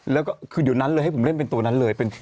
แล้วก็คือเดี๋ยวนั้นเลยให้ผมเล่นเป็นตัวนั้นเลย